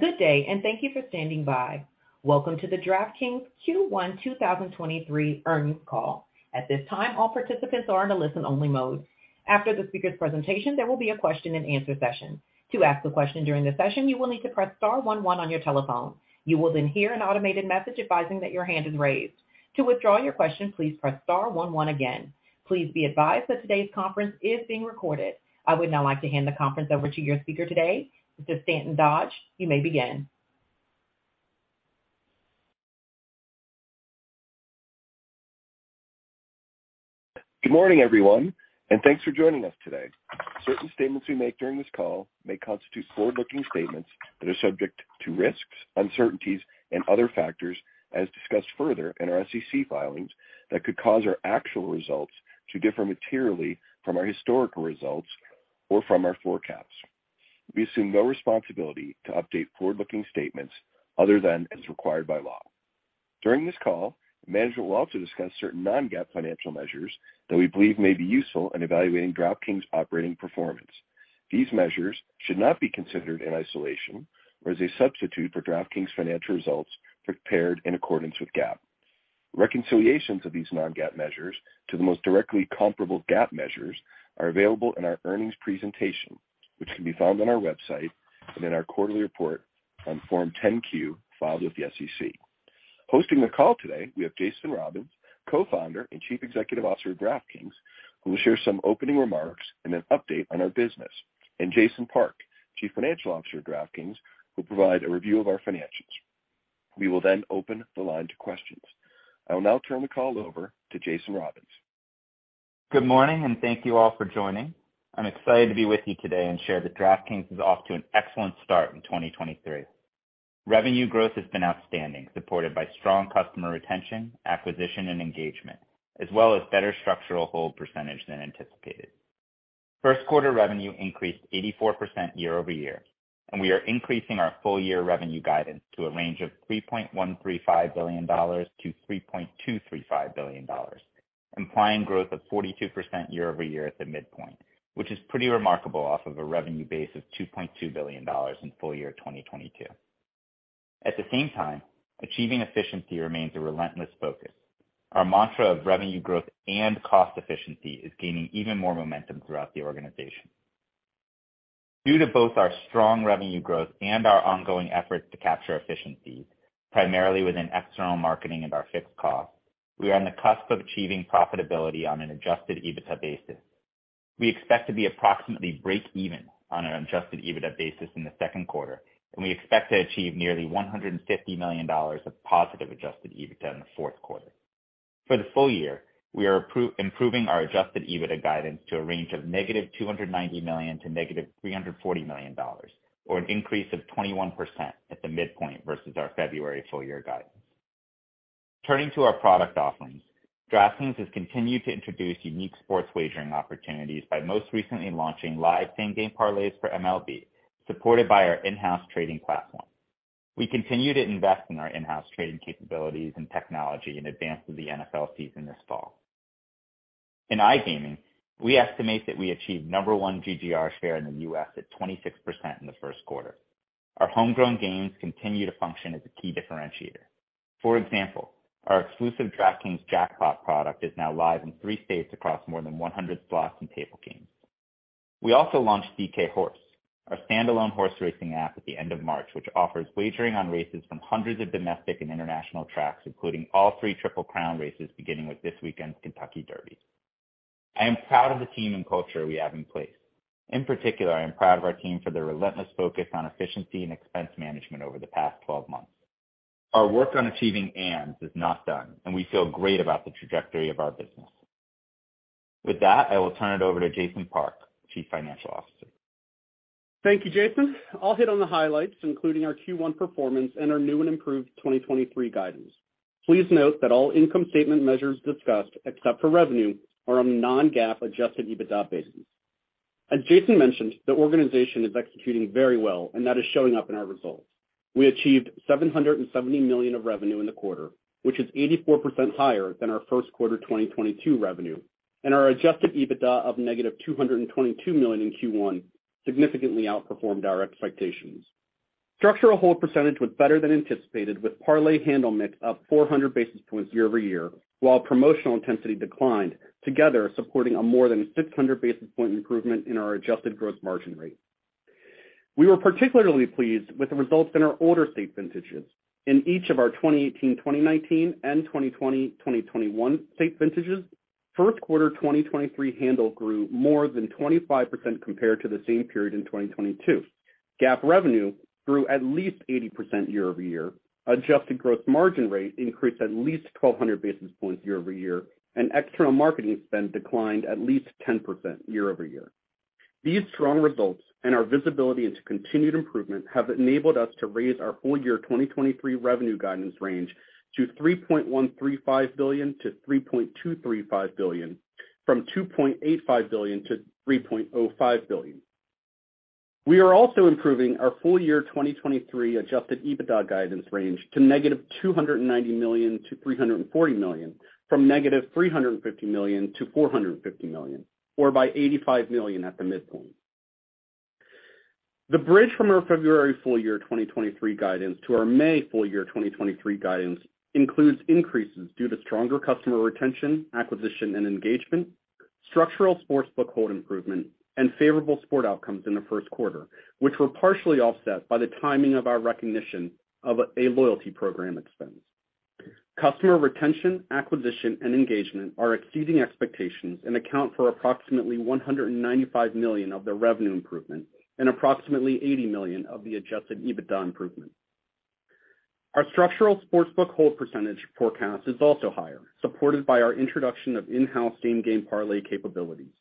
Good day, and thank you for standing by. Welcome to the DraftKings Q1 2023 Earnings Call. At this time, all participants are in a listen only mode. After the speaker's presentation, there will be a question and answer session. To ask a question during the session, you will need to press star one one on your telephone. You will then hear an automated message advising that your hand is raised. To withdraw your question, please press star one one again. Please be advised that today's conference is being recorded. I would now like to hand the conference over to your speaker today, Mr. Stanton Dodge. You may begin. Good morning, everyone, and thanks for joining us today. Certain statements we make during this call may constitute forward-looking statements that are subject to risks, uncertainties and other factors, as discussed further in our SEC filings, that could cause our actual results to differ materially from our historical results or from our forecasts. We assume no responsibility to update forward-looking statements other than as required by law. During this call, management will also discuss certain non-GAAP financial measures that we believe may be useful in evaluating DraftKings' operating performance. These measures should not be considered in isolation or as a substitute for DraftKings' financial results prepared in accordance with GAAP. Reconciliations of these non-GAAP measures to the most directly comparable GAAP measures are available in our earnings presentation, which can be found on our website, and in our quarterly report on Form 10-Q filed with the SEC. Hosting the call today, we have Jason Robins, Co-Founder and Chief Executive Officer of DraftKings, who will share some opening remarks and an update on our business, and Jason Park, Chief Financial Officer of DraftKings, who will provide a review of our financials. We will then open the line to questions. I will now turn the call over to Jason Robins. Good morning, and thank you all for joining. I'm excited to be with you today and share that DraftKings is off to an excellent start in 2023. Revenue growth has been outstanding, supported by strong customer retention, acquisition and engagement, as well as better structural hold percentage than anticipated. First quarter revenue increased 84% year-over-year, and we are increasing our full year revenue guidance to a range of $3.135 billion-$3.235 billion, implying growth of 42% year-over-year at the midpoint, which is pretty remarkable off of a revenue base of $2.2 billion in full year 2022. At the same time, achieving efficiency remains a relentless focus. Our mantra of revenue growth and cost efficiency is gaining even more momentum throughout the organization. Due to both our strong revenue growth and our ongoing efforts to capture efficiencies, primarily within external marketing and our fixed costs, we are on the cusp of achieving profitability on an adjusted EBITDA basis. We expect to be approximately break even on an adjusted EBITDA basis in the second quarter, and we expect to achieve nearly $150 million of positive adjusted EBITDA in the fourth quarter. For the full year, we are improving our adjusted EBITDA guidance to a range of -$290 million to -$340 million, or an increase of 21% at the midpoint versus our February full year guidance. Turning to our product offerings, DraftKings has continued to introduce unique sports wagering opportunities by most recently launching live Same Game Parlays for MLB, supported by our in-house trading platform. We continue to invest in our in-house trading capabilities and technology in advance of the NFL season this fall. In iGaming, we estimate that we achieved number one GGR share in the U.S. at 26% in the first quarter. Our homegrown games continue to function as a key differentiator. For example, our exclusive DraftKings Jackpot product is now live in three states across more than 100 slots and table games. We also launched DK Horse, our standalone horse racing app, at the end of March, which offers wagering on races from hundreds of domestic and international tracks, including all three Triple Crown races, beginning with this weekend's Kentucky Derby. I am proud of the team and culture we have in place. In particular, I am proud of our team for their relentless focus on efficiency and expense management over the past 12 months. Our work on achieving ANDs is not done, and we feel great about the trajectory of our business. With that, I will turn it over to Jason Park, Chief Financial Officer. Thank you, Jason. I'll hit on the highlights, including our Q1 performance and our new and improved 2023 guidance. Please note that all income statement measures discussed, except for revenue, are on non-GAAP adjusted EBITDA basis. As Jason mentioned, the organization is executing very well and that is showing up in our results. We achieved $770 million of revenue in the quarter, which is 84% higher than our first quarter 2022 revenue. Our adjusted EBITDA of -$222 million in Q1 significantly outperformed our expectations. Structural hold percentage was better than anticipated with parlay handle mix up 400 basis points year-over-year, while promotional intensity declined, together supporting a more than 600 basis point improvement in our adjusted gross margin rate. We were particularly pleased with the results in our older state vintages. In each of our 2018-2019 and 2020-2021 state vintages, first quarter 2023 handle grew more than 25% compared to the same period in 2022. GAAP revenue grew at least 80% year-over-year. Adjusted gross margin rate increased at least 1,200 basis points year-over-year. External marketing spend declined at least 10% year-over-year. These strong results and our visibility into continued improvement have enabled us to raise our full year 2023 revenue guidance range to $3.135 billion-$3.235 billion, from $2.85 billion-$3.05 billion. We are also improving our full year 2023 adjusted EBITDA guidance range to -$290 million to $340 million from -$350 million to $450 million, or by $85 million at the midpoint. The bridge from our February full year 2023 guidance to our May full year 2023 guidance includes increases due to stronger customer retention, acquisition and engagement, structural sportsbook hold improvement, and favorable sport outcomes in the first quarter, which were partially offset by the timing of our recognition of a loyalty program expense. Customer retention, acquisition and engagement are exceeding expectations and account for approximately $195 million of the revenue improvement and approximately $80 million of the adjusted EBITDA improvement. Our structural sportsbook hold percentage forecast is also higher, supported by our introduction of in-house Same Game Parlay capabilities.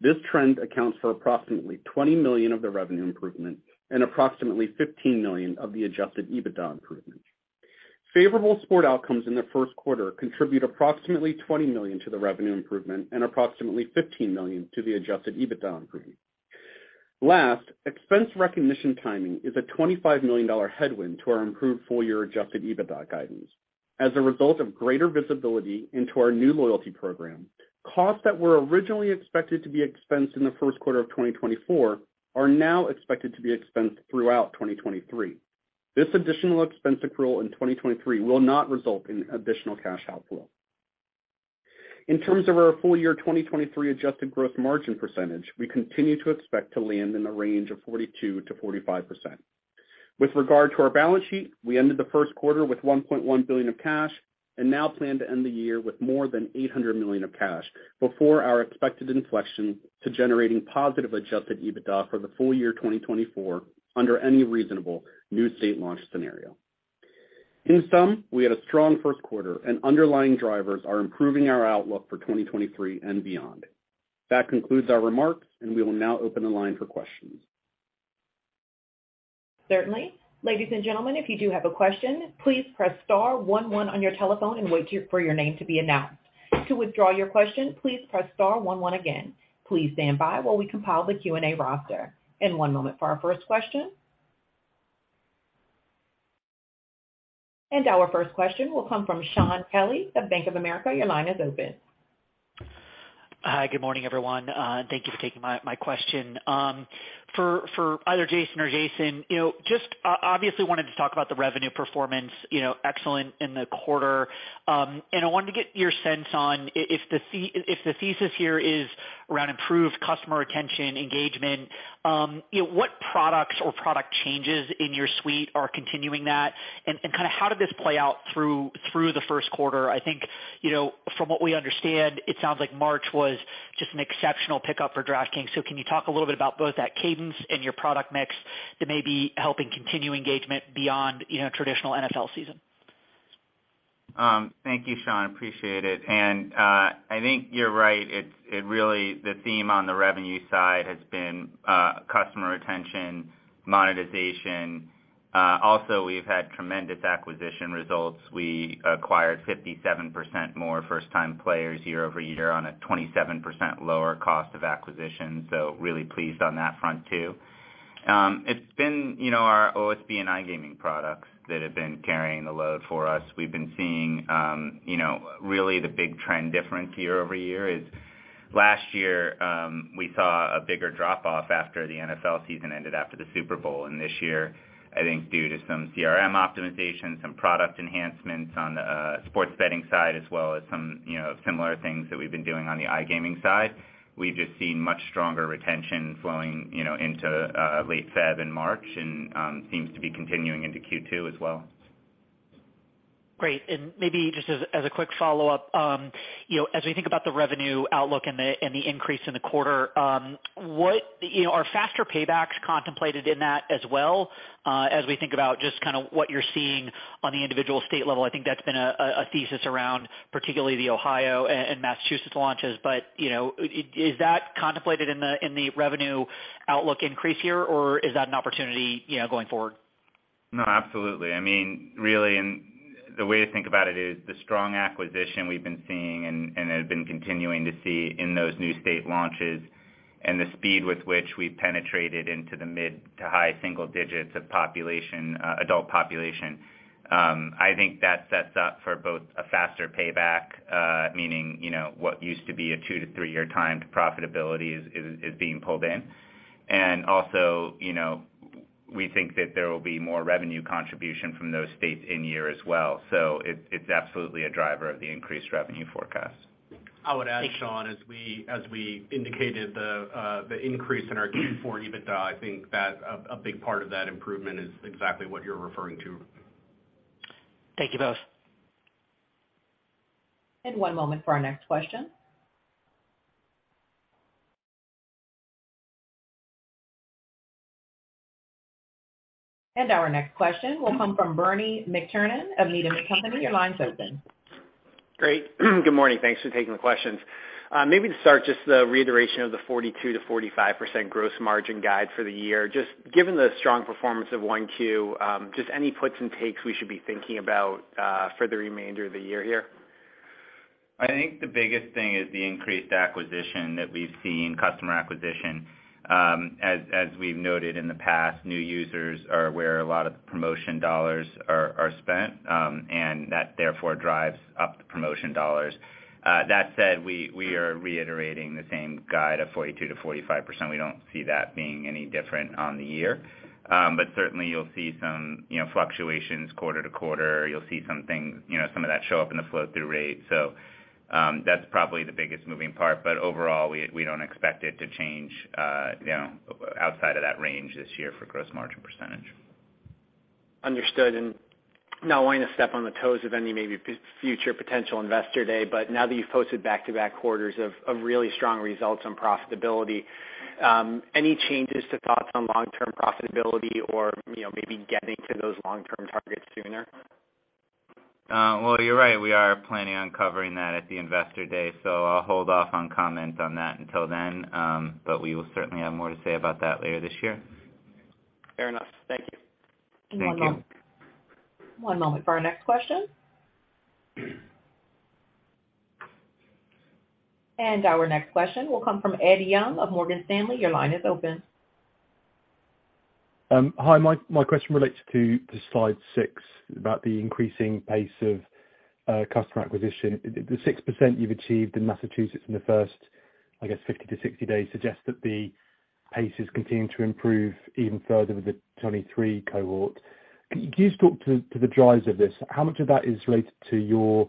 This trend accounts for approximately $20 million of the revenue improvement and approximately $15 million of the adjusted EBITDA improvement. Favorable sport outcomes in the first quarter contribute approximately $20 million to the revenue improvement and approximately $15 million to the adjusted EBITDA improvement. Last, expense recognition timing is a $25 million headwind to our improved full year adjusted EBITDA guidance. As a result of greater visibility into our new loyalty program, costs that were originally expected to be expensed in the first quarter of 2024 are now expected to be expensed throughout 2023. This additional expense accrual in 2023 will not result in additional cash outflow. In terms of our full year 2023 adjusted gross margin percentage, we continue to expect to land in the range of 42%-45%. With regard to our balance sheet, we ended the first quarter with $1.1 billion of cash and now plan to end the year with more than $800 million of cash before our expected inflection to generating positive adjusted EBITDA for the full year 2024 under any reasonable new state launch scenario. In sum, we had a strong first quarter and underlying drivers are improving our outlook for 2023 and beyond. That concludes our remarks, and we will now open the line for questions. Certainly. Ladies and gentlemen, if you do have a question, please press star one one on your telephone and wait for your name to be announced. To withdraw your question, please press star one one again. Please stand by while we compile the Q&A roster. In one moment for our first question. Our first question will come from Shaun Kelley of Bank of America. Your line is open. Hi, good morning, everyone, and thank you for taking my question. For either Jason or Jason, you know, just obviously wanted to talk about the revenue performance, you know, excellent in the quarter. I wanted to get your sense on if the thesis here is around improved customer retention, engagement, you know, what products or product changes in your suite are continuing that? Kind of how did this play out through the first quarter? I think, you know, from what we understand, it sounds like March was just an exceptional pickup for DraftKings. Can you talk a little bit about both that cadence and your product mix that may be helping continue engagement beyond, you know, traditional NFL season? Thank you, Shaun. Appreciate it. I think you're right. It really, the theme on the revenue side has been, customer retention, monetization. Also, we've had tremendous acquisition results. We acquired 57% more first time players year-over-year on a 27% lower cost of acquisition. Really pleased on that front too. It's been, you know, our OSB and iGaming products that have been carrying the load for us. We've been seeing, you know, really the big trend difference year-over-year is last year, we saw a bigger drop off after the NFL season ended after the Super Bowl. This year, I think due to some CRM optimization, some product enhancements on the sports betting side, as well as some, you know, similar things that we've been doing on the iGaming side. We've just seen much stronger retention flowing, you know, into late February and March and seems to be continuing into Q2 as well. Great. Maybe just as a quick follow-up, you know, as we think about the revenue outlook and the increase in the quarter, you know, are faster paybacks contemplated in that as well, as we think about just kind of what you're seeing on the individual state level? I think that's been a thesis around particularly the Ohio and Massachusetts launches. You know, is that contemplated in the revenue outlook increase here, or is that an opportunity, you know, going forward? No, absolutely. I mean, really, the way to think about it is the strong acquisition we've been seeing and have been continuing to see in those new state launches and the speed with which we penetrated into the mid-to-high single digits of population, adult population. I think that sets up for both a faster payback, meaning, you know, what used to be a two to three year time to profitability is being pulled in. Also, you know, we think that there will be more revenue contribution from those states in-year as well. It's absolutely a driver of the increased revenue forecast. I would add, Shaun, as we indicated the increase in our Q4 EBITDA, I think that a big part of that improvement is exactly what you're referring to. Thank you both. One moment for our next question. Our next question will come from Bernie McTernan of Needham & Company. Your line is open. Great. Good morning. Thanks for taking the questions. maybe to start just the reiteration of the 42%-45% gross margin guide for the year. Just given the strong performance of 1Q, just any puts and takes we should be thinking about for the remainder of the year here? I think the biggest thing is the increased acquisition that we've seen, customer acquisition. As we've noted in the past, new users are where a lot of promotion dollars are spent, and that therefore drives up the promotion dollars. That said, we are reiterating the same guide of 42%-45%. We don't see that being any different on the year. Certainly you'll see some, you know, fluctuations quarter to quarter. You'll see some things, you know, some of that show up in the flow-through rate. That's probably the biggest moving part, but overall, we don't expect it to change, you know, outside of that range this year for gross margin percentage. Understood. Not wanting to step on the toes of any maybe future potential Investor Day, but now that you've posted back-to-back quarters of really strong results on profitability, any changes to thoughts on long-term profitability or, you know, maybe getting to those long-term targets sooner? Well, you're right, we are planning on covering that at the Investor Day, so I'll hold off on comment on that until then. We will certainly have more to say about that later this year. Fair enough. Thank you. Thank you. One moment. One moment for our next question. Our next question will come from Ed Young of Morgan Stanley. Your line is open. Hi. My question relates to Slide Six about the increasing pace of customer acquisition. The 6% you've achieved in Massachusetts in the first, I guess, 50-60 days suggests that the pace is continuing to improve even further with the 23 cohort. Can you just talk to the drives of this? How much of that is related to your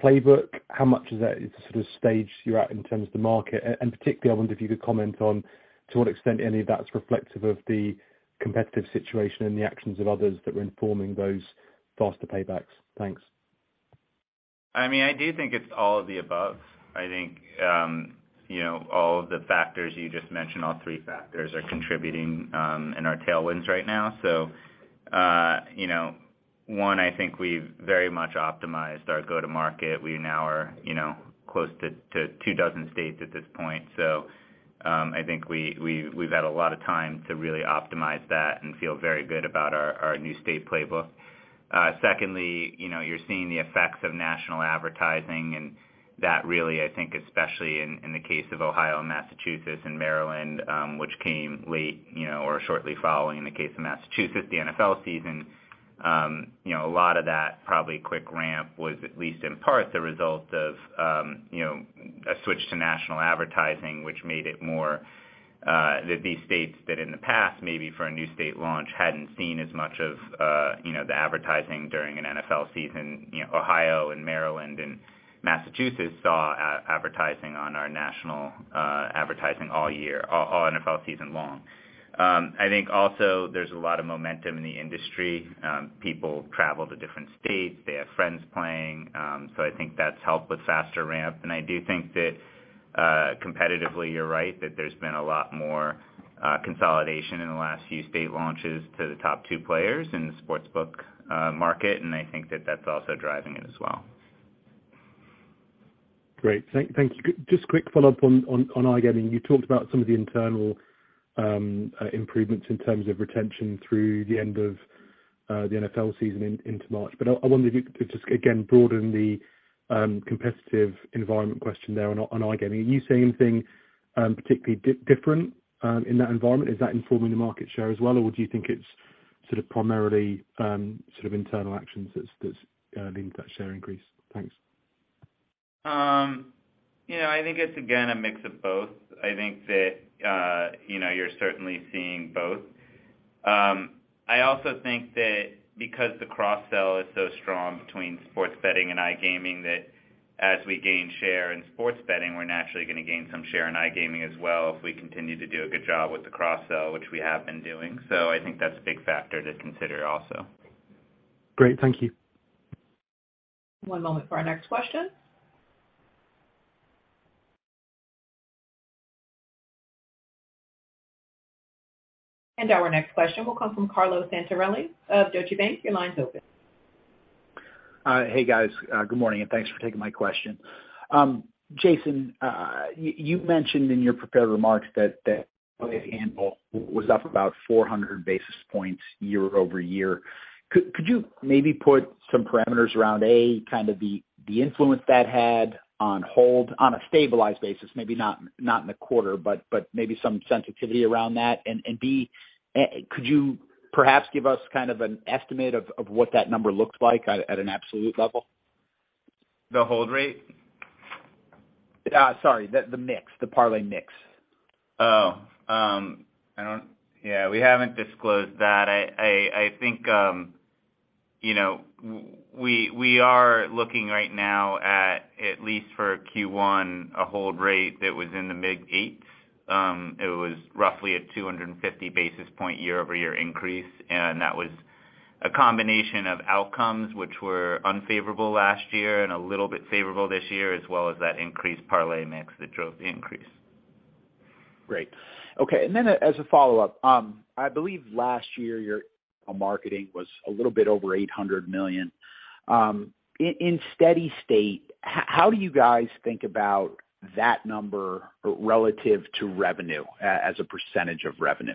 playbook? How much of that is the sort of stage you're at in terms of the market? Particularly, I wonder if you could comment on to what extent any of that's reflective of the competitive situation and the actions of others that were informing those faster paybacks. Thanks. I mean, I do think it's all of the above. I think, you know, all of the factors you just mentioned, all three factors are contributing in our tailwinds right now. You know, one, I think we've very much optimized our go-to-market. We now are, you know, close to two dozen states at this point. I think we've had a lot of time to really optimize that and feel very good about our new state playbook. Secondly, you know, you're seeing the effects of national advertising. That really, I think, especially in the case of Ohio and Massachusetts and Maryland, which came late, you know, or shortly following the case of Massachusetts, the NFL season, you know, a lot of that probably quick ramp was at least in part the result of, you know, a switch to national advertising, which made it more, that these states that in the past, maybe for a new state launch, hadn't seen as much of, you know, the advertising during an NFL season. Ohio and Maryland and Massachusetts saw advertising on our national advertising all year, all NFL season long. I think also there's a lot of momentum in the industry. People travel to different states, they have friends playing, so I think that's helped with faster ramp. I do think that competitively, you're right, that there's been a lot more consolidation in the last few state launches to the top two players in the sportsbook market, and I think that that's also driving it as well. Great. Thank you. Just quick follow-up on iGaming. You talked about some of the internal improvements in terms of retention through the end of the NFL season into March. I wonder if you could just, again, broaden the competitive environment question there on iGaming. Are you seeing anything particularly different in that environment? Is that informing the market share as well, or do you think it's sort of primarily sort of internal actions that's leading to that share increase? Thanks. you know, I think it's again, a mix of both. I think that, you know, you're certainly seeing both. I also think that because the cross-sell is so strong between sports betting and iGaming, that as we gain share in sports betting, we're naturally gonna gain some share in iGaming as well if we continue to do a good job with the cross-sell, which we have been doing. I think that's a big factor to consider also. Great. Thank you. One moment for our next question. Our next question will come from Carlo Santarelli of Deutsche Bank. Your line's open. Hey, guys. good morning, and thanks for taking my question. Jason, you mentioned in your prepared remarks that parlay handle was up about 400 basis points year-over-year. Could you maybe put some parameters around, A, kind of the influence that had on hold on a stabilized basis? Maybe not in the quarter, but maybe some sensitivity around that. B, could you perhaps give us kind of an estimate of what that number looks like at an absolute level? The hold rate? Sorry, the mix, the parlay mix. I don't. Yeah, we haven't disclosed that. I think, you know, we are looking right now at least for Q1, a hold rate that was in the mid-8s. It was roughly a 250 basis point year-over-year increase, and that was a combination of outcomes which were unfavorable last year and a little bit favorable this year, as well as that increased parlay mix that drove the increase. Great. Okay. Then as a follow-up, I believe last year your marketing was a little bit over $800 million. In steady state, how do you guys think about that number relative to revenue, as a percentage of revenue?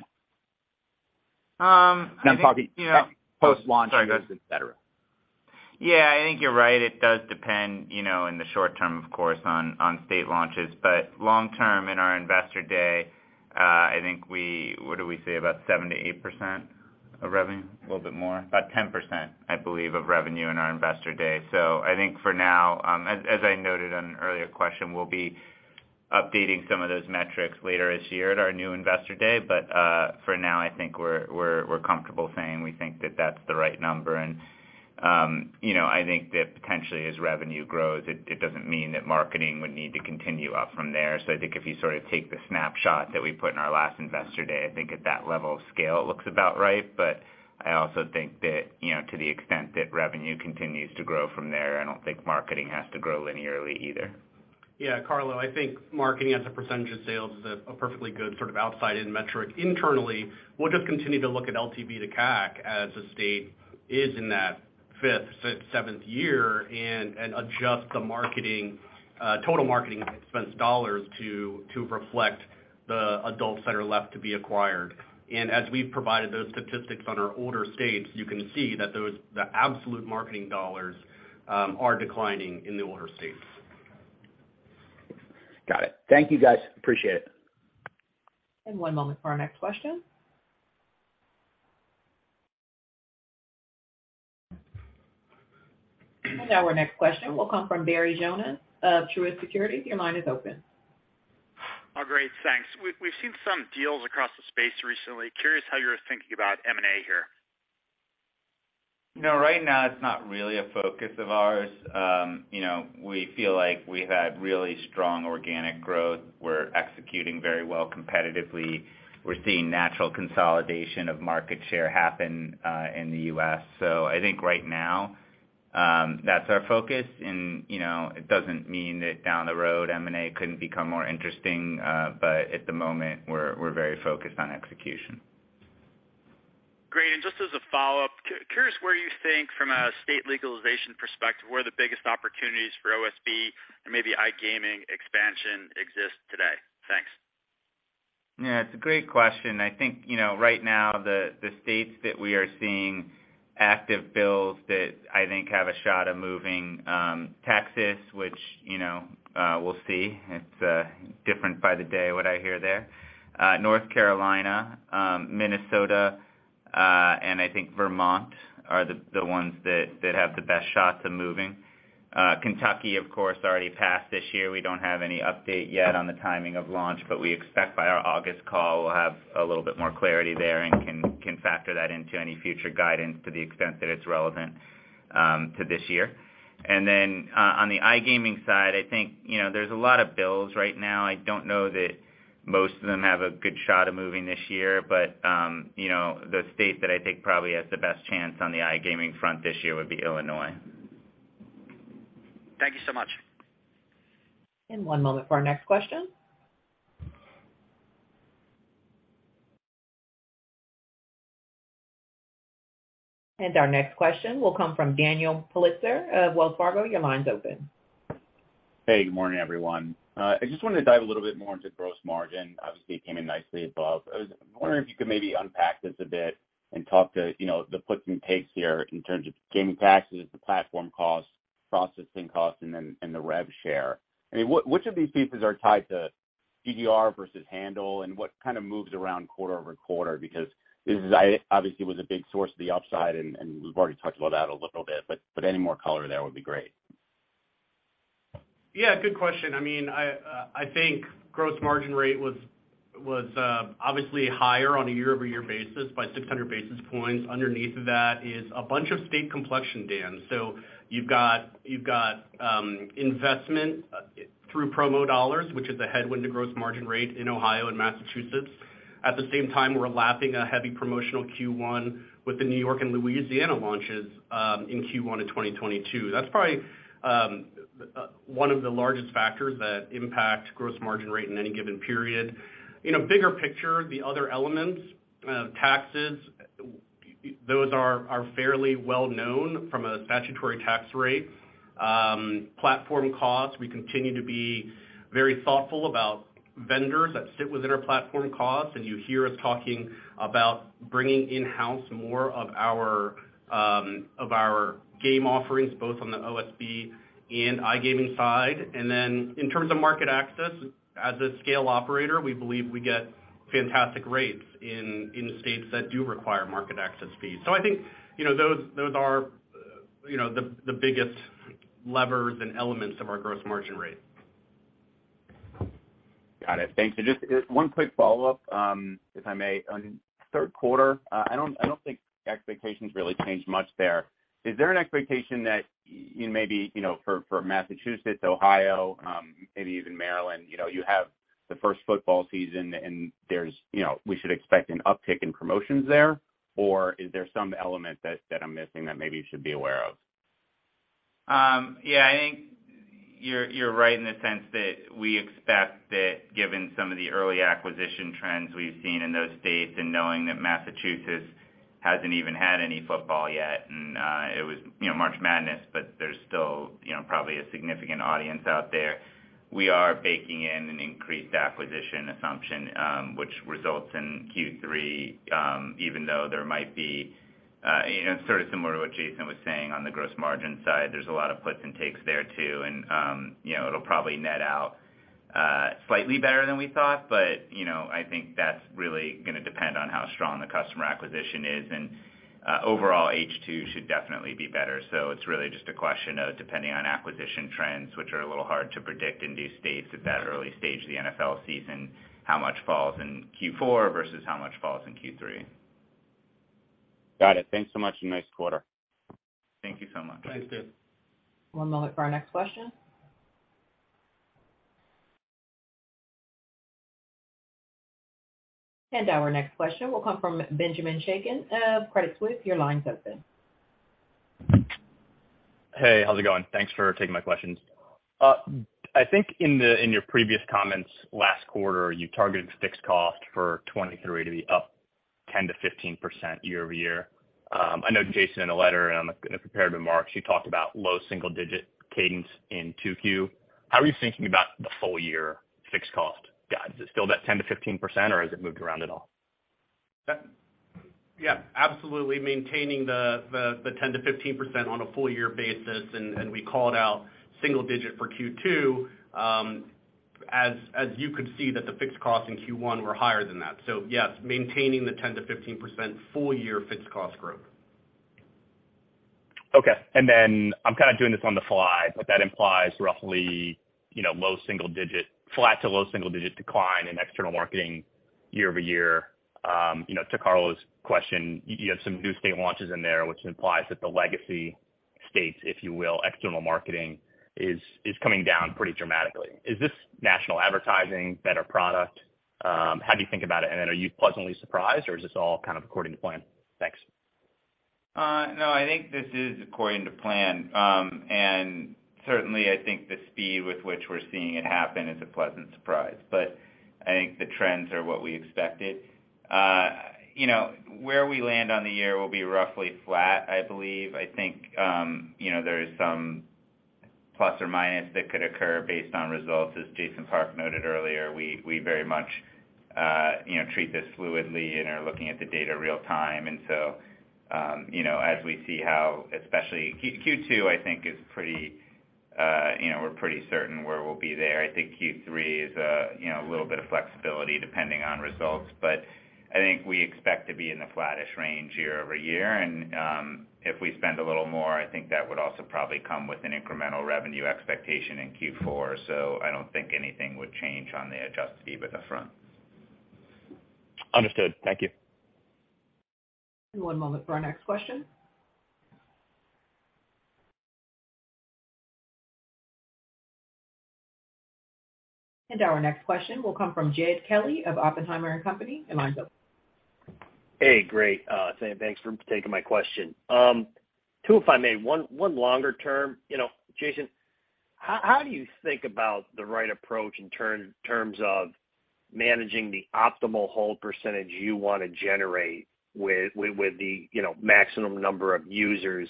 I think, you know. No, sorry, post-launch. Sorry, go ahead. Et cetera. Yeah, I think you're right. It does depend, you know, in the short term, of course, on state launches. Long term, in our Investor Day, I think What did we say? About 7%-8% of revenue? A little bit more. About 10%, I believe, of revenue in our Investor Day. I think for now, as I noted on an earlier question, we'll be updating some of those metrics later this year at our new Investor Day. For now, I think we're comfortable saying we think that that's the right number. You know, I think that potentially as revenue grows, it doesn't mean that marketing would need to continue up from there. I think if you sort of take the snapshot that we put in our last Investor Day, I think at that level of scale, it looks about right. I also think that, you know, to the extent that revenue continues to grow from there, I don't think marketing has to grow linearly either. Carlo, I think marketing as a percentage of sales is a perfectly good sort of outside-in metric. Internally, we'll just continue to look at LTV to CAC as a state is in that fifth, sixth, seventh year and adjust the marketing total marketing expense dollars to reflect the adults that are left to be acquired. As we've provided those statistics on our older states, you can see that those, the absolute marketing dollars, are declining in the older states. Got it. Thank you, guys. Appreciate it. One moment for our next question. Now our next question will come from Barry Jonas of Truist Securities. Your line is open. Oh, great. Thanks. We've seen some deals across the space recently. Curious how you're thinking about M&A here? No, right now, it's not really a focus of ours. You know, we feel like we've had really strong organic growth. We're executing very well competitively. We're seeing natural consolidation of market share happen, in the U.S. I think right now, that's our focus. You know, it doesn't mean that down the road, M&A couldn't become more interesting. At the moment, we're very focused on execution. Great. Just as a follow-up, curious where you think from a state legalization perspective, where are the biggest opportunities for OSB and maybe iGaming expansion exist today? Thanks. Yeah, it's a great question. I think, you know, right now the states that we are seeing active bills that I think have a shot of moving, Texas, which, you know, we'll see. It's, different by the day, what I hear there. North Carolina, Minnesota, and I think Vermont are the ones that have the best shot to moving. Kentucky, of course, already passed this year. We don't have any update yet on the timing of launch, but we expect by our August call, we'll have a little bit more clarity there and can factor that into any future guidance to the extent that it's relevant to this year. Then, on the iGaming side, I think, you know, there's a lot of bills right now. I don't know that most of them have a good shot of moving this year. You know, the state that I think probably has the best chance on the iGaming front this year would be Illinois. Thank you so much. One moment for our next question. Our next question will come from Daniel Politzer of Wells Fargo. Your line's open. Hey, good morning, everyone. I just wanted to dive a little bit more into gross margin. Obviously, it came in nicely above. I was wondering if you could maybe unpack this a bit and talk to, you know, the puts and takes here in terms of gaming taxes, the platform costs, processing costs, and then, and the rev share. I mean, which of these pieces are tied to GGR versus handle, and what kind of moves around quarter-over-quarter? Because this is, obviously, was a big source of the upside, and we've already talked about that a little bit, but any more color there would be great. Yeah, good question. I mean, I think gross margin rate was obviously higher on a year-over-year basis by 600 basis points. Underneath that is a bunch of state complexion, Dan. You've got investment through promo dollars, which is a headwind to gross margin rate in Ohio and Massachusetts. At the same time, we're lapping a heavy promotional Q1 with the New York and Louisiana launches in Q1 of 2022. That's probably one of the largest factors that impact gross margin rate in any given period. In a bigger picture, the other elements, taxes, those are fairly well known from a statutory tax rate. Platform costs, we continue to be very thoughtful about vendors that sit within our platform costs, and you hear us talking about bringing in-house more of our game offerings, both on the OSB and iGaming side. In terms of market access, as a scale operator, we believe we get fantastic rates in states that do require market access fees. I think, you know, those are, you know, the biggest levers and elements of our gross margin rate. Got it. Thanks. Just one quick follow-up, if I may. On third quarter, I don't think expectations really change much there. Is there an expectation that maybe, you know, for Massachusetts, Ohio, maybe even Maryland, you know, you have the first football season and there's, you know, we should expect an uptick in promotions there? Or is there some element that I'm missing that maybe you should be aware of? Yeah. I think you're right in the sense that we expect that given some of the early acquisition trends we've seen in those states and knowing that Massachusetts hasn't even had any football yet, it was, you know, March Madness, but there's still, you know, probably a significant audience out there. We are baking in an increased acquisition assumption, which results in Q3, even though there might be, you know, sort of similar to what Jason was saying on the gross margin side, there's a lot of puts and takes there, too. You know, it'll probably net out, slightly better than we thought. You know, I think that's really gonna depend on how strong the customer acquisition is, and overall, H2 should definitely be better. It's really just a question of depending on acquisition trends, which are a little hard to predict in these states at that early stage of the NFL season, how much falls in Q4 versus how much falls in Q3. Got it. Thanks so much, and nice quarter. Thank you so much. Thanks, dude. One moment for our next question. Our next question will come from Benjamin Chaiken of Credit Suisse. Your line is open. Hey, how's it going? Thanks for taking my questions. I think in your previous comments last quarter, you targeted fixed cost for 23 to be up 10%-15% year-over-year. I know Jason, in a letter, in the prepared remarks, you talked about low single-digit cadence in 2Q. How are you thinking about the full year fixed cost guides? Is it still that 10%-15%, or has it moved around at all? Yeah, absolutely maintaining the 10%-15% on a full year basis, we called out single digit for Q2. As you could see that the fixed costs in Q1 were higher than that. Yes, maintaining the 10%-15% full year fixed cost growth. Okay. I'm kind of doing this on the fly, but that implies roughly, you know, low single digit, flat to low single digit decline in external marketing year-over-year. You know, to Carlo's question, you have some new state launches in there, which implies that the legacy states, if you will, external marketing, is coming down pretty dramatically. Is this national advertising, better product? How do you think about it? Are you pleasantly surprised, or is this all kind of according to plan? Thanks. No, I think this is according to plan. Certainly, I think the speed with which we're seeing it happen is a pleasant surprise. I think the trends are what we expected. You know, where we land on the year will be roughly flat, I believe. I think, you know, there is some plus or minus that could occur based on results. As Jason Park noted earlier, we very much, you know, treat this fluidly and are looking at the data real-time. You know, as we see how, especially Q2, I think is pretty, you know, we're pretty certain where we'll be there. I think Q3 is, you know, a little bit of flexibility depending on results. I think we expect to be in the flattish range year-over-year. If we spend a little more, I think that would also probably come with an incremental revenue expectation in Q4. I don't think anything would change on the adjusted EBITDA front. Understood. Thank you. One moment for our next question. Our next question will come from Jed Kelly of Oppenheimer & Co. Your line is open. Hey, great. Thanks for taking my question. Two, if I may. One longer term. You know, Jason, how do you think about the right approach in terms of managing the optimal hold percentage you wanna generate with the, you know, maximum number of users?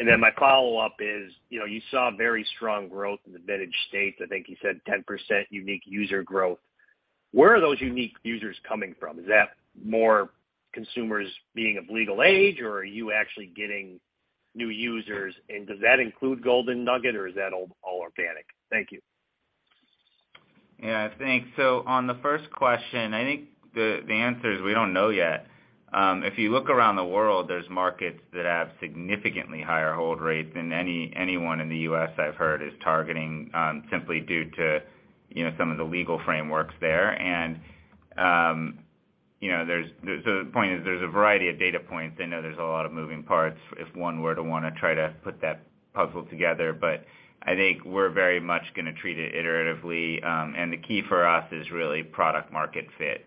My follow-up is, you know, you saw very strong growth in the vintage states. I think you said 10% unique user growth. Where are those unique users coming from? Is that more consumers being of legal age, or are you actually getting new users? Does that include Golden Nugget, or is that all organic? Thank you. Yeah, thanks. On the first question, I think the answer is we don't know yet. If you look around the world, there's markets that have significantly higher hold rates than anyone in the U.S. I've heard is targeting, simply due to, you know, some of the legal frameworks there. You know, so the point is there's a variety of data points. I know there's a lot of moving parts if one were to wanna try to put that puzzle together. I think we're very much gonna treat it iteratively, the key for us is really product market fit.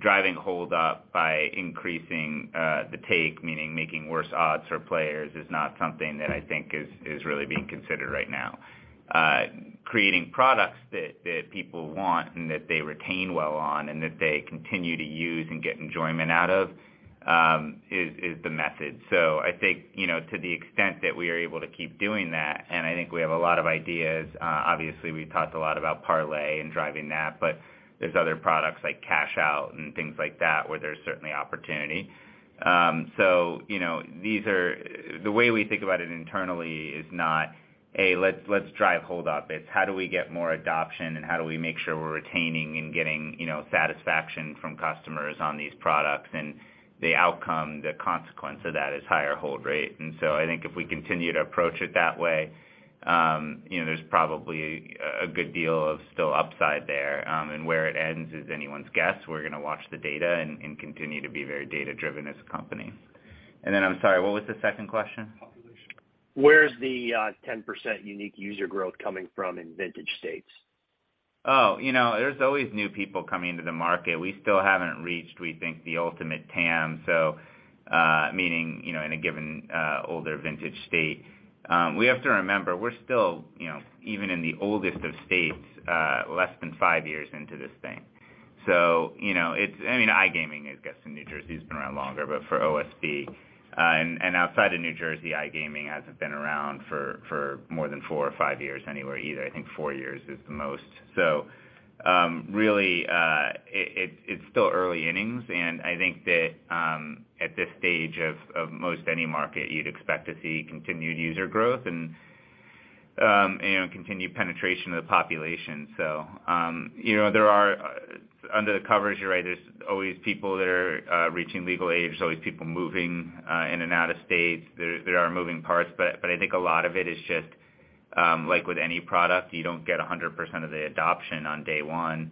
Driving hold up by increasing the take, meaning making worse odds for players, is not something that I think is really being considered right now. Creating products that people want and that they retain well on and that they continue to use and get enjoyment out of, is the method. I think, you know, to the extent that we are able to keep doing that, and I think we have a lot of ideas, obviously, we've talked a lot about parlay and driving that, but there's other products like Cash Out and things like that, where there's certainly opportunity. You know, the way we think about it internally is not, hey, let's drive hold up. It's how do we get more adoption, and how do we make sure we're retaining and getting, you know, satisfaction from customers on these products? And the outcome, the consequence of that is higher hold rate. I think if we continue to approach it that way, you know, there's probably a good deal of still upside there. Where it ends is anyone's guess. We're gonna watch the data and continue to be very data-driven as a company. I'm sorry, what was the second question? Population. Where's the 10% unique user growth coming from in vintage states? You know, there's always new people coming into the market. We still haven't reached, we think, the ultimate TAM. meaning, you know, in a given, older vintage state. We have to remember we're still, you know, even in the oldest of states, less than five years into this thing. You know, I mean, iGaming, I guess, in New Jersey has been around longer, but for OSB, and outside of New Jersey, iGaming hasn't been around for more than four or five years anywhere either. I think four years is the most. Really, it's still early innings, and I think that, at this stage of most any market, you'd expect to see continued user growth and, you know, continued penetration of the population. You know, there are under the covers, you're right, there's always people that are reaching legal age. There's always people moving in and out of states. There are moving parts, but I think a lot of it is just like with any product, you don't get 100% of the adoption on day one.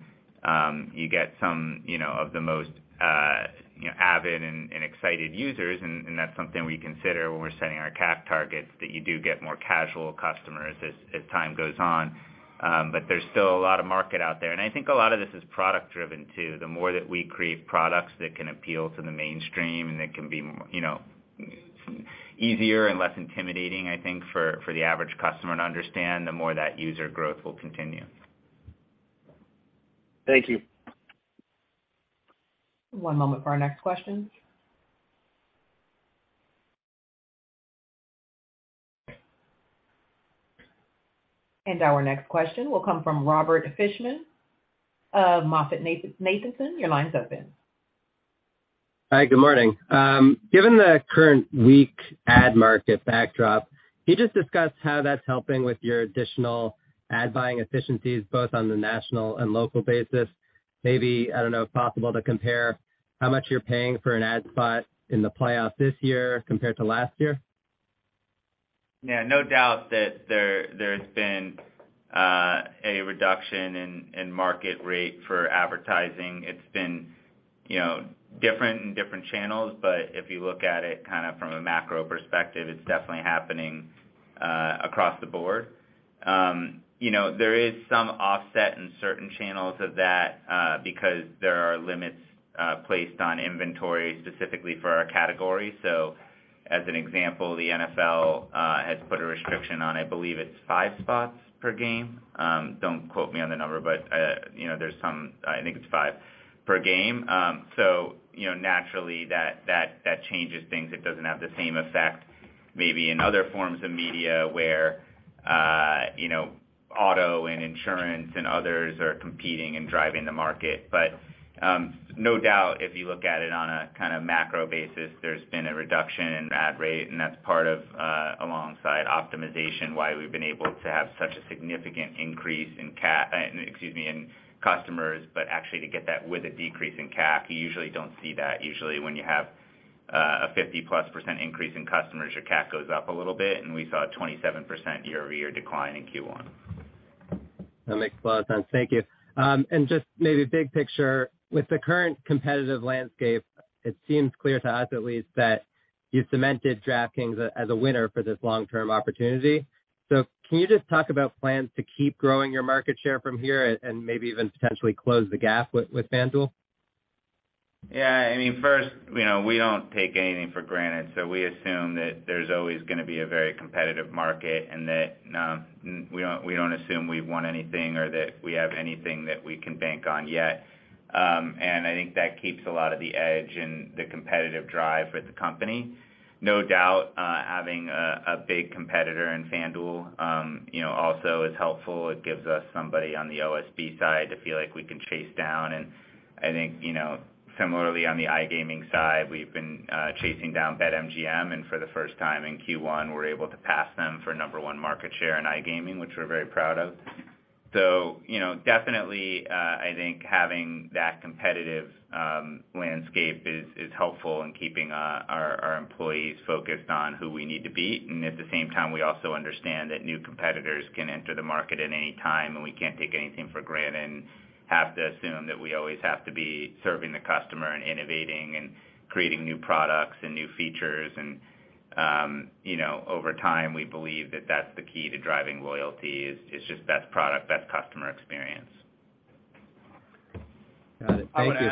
You get some, you know, of the most, you know, avid and excited users, and that's something we consider when we're setting our CAC targets, that you do get more casual customers as time goes on. There's still a lot of market out there. I think a lot of this is product-driven, too. The more that we create products that can appeal to the mainstream and that can be more, you know, easier and less intimidating, I think, for the average customer to understand, the more that user growth will continue. Thank you. One moment for our next question. Our next question will come from Robert Fishman of MoffettNathanson. Your line's open. Hi. Good morning. Given the current weak ad market backdrop, can you just discuss how that's helping with your additional ad buying efficiencies both on the national and local basis? Maybe, I don't know, if possible, to compare how much you're paying for an ad spot in the playoff this year compared to last year? Yeah, no doubt that there's been a reduction in market rate for advertising. It's been, you know, different in different channels. If you look at it kind of from a macro perspective, it's definitely happening across the board. You know, there is some offset in certain channels of that because there are limits placed on inventory specifically for our category. As an example, the NFL has put a restriction on, I believe it's five spots per game. Don't quote me on the number, but, you know, there's some. I think it's five per game. You know, naturally, that changes things. It doesn't have the same effect maybe in other forms of media where, you know, auto and insurance and others are competing and driving the market. No doubt, if you look at it on a kind of macro basis, there's been a reduction in ad rate, and that's part of, alongside optimization, why we've been able to have such a significant increase in customers, but actually to get that with a decrease in CAC. You usually don't see that. Usually, when you have a 50%+ increase in customers, your CAC goes up a little bit, and we saw a 27% year-over-year decline in Q1. That makes a lot of sense. Thank you. Just maybe big picture, with the current competitive landscape, it seems clear to us at least that you cemented DraftKings as a winner for this long-term opportunity. Can you just talk about plans to keep growing your market share from here and maybe even potentially close the gap with FanDuel? Yeah. I mean, first, you know, we don't take anything for granted. We assume that there's always gonna be a very competitive market and that, we don't assume we've won anything or that we have anything that we can bank on yet. I think that keeps a lot of the edge and the competitive drive for the company. No doubt, having a big competitor in FanDuel, you know, also is helpful. It gives us somebody on the OSB side to feel like we can chase down. I think, you know, similarly on the iGaming side, we've been chasing down BetMGM. For the first time in Q1, we're able to pass them for number one market share in iGaming, which we're very proud of. You know, definitely, I think having that competitive landscape is helpful in keeping our employees focused on who we need to beat. At the same time, we also understand that new competitors can enter the market at any time, and we can't take anything for granted and have to assume that we always have to be serving the customer and innovating and creating new products and new features. You know, over time, we believe that that's the key to driving loyalty is just best product, best customer experience. Got it. Thank you.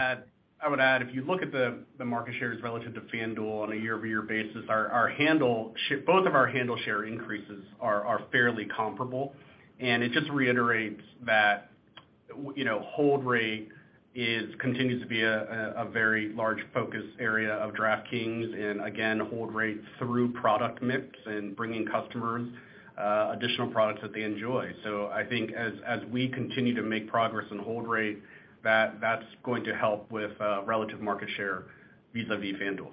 I would add, if you look at the market shares relative to FanDuel on a year-over-year basis, our handle share increases are fairly comparable. It just reiterates that, you know, hold rate continues to be a very large focus area of DraftKings and again, hold rates through product mix and bringing customers additional products that they enjoy. I think as we continue to make progress on hold rate, that's going to help with relative market share vis-à-vis FanDuel.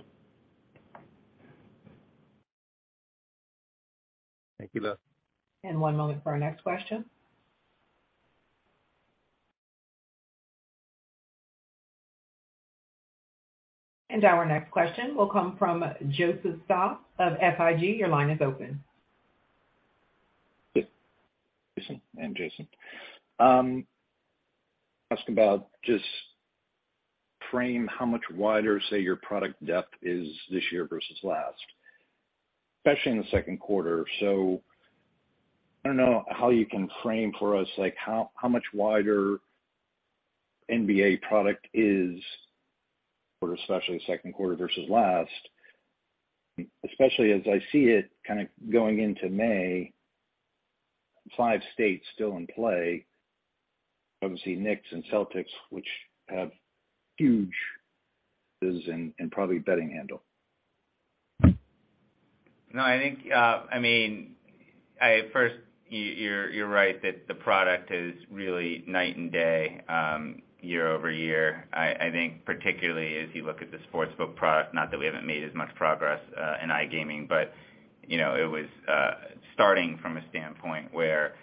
Thank you. One moment for our next question. Our next question will come from Joseph Stauff of SIG. Your line is open. Jason. I'm Jason. ask about just frame how much wider, say, your product depth is this year versus last, especially in the second quarter? I don't know how you can frame for us, like how much wider NBA product is, or especially second quarter versus last, especially as I see it kind of going into May, five states still in play, obviously Knicks and Celtics, which have huge and probably betting handle? No, I mean, you're right that the product is really night and day year-over-year. I think particularly as you look at the sportsbook product, not that we haven't made as much progress in iGaming, but, you know, it was starting from a standpoint where